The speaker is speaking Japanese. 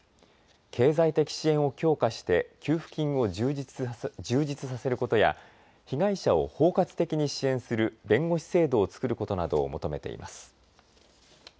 経済的支援を強化して給付金を充実させることや被害者を包括的に支援する弁護士制度を作ることなどを求めています。